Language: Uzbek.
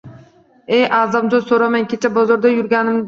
– E, A’zamjon, so’ramang. Kecha bozorda yurganimizda